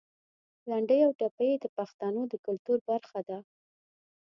لنډۍ او ټپې د پښتنو د کلتور برخه ده.